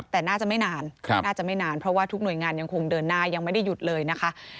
แต่น่าจะไม่นานน่าจะไม่นานเพราะว่าทุกหน่วยงานยังคงเดินหน้ายังไม่ได้หยุดเลยนะคะ